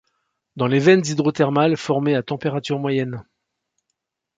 Dans les veines hydrothermales formées à température moyenne.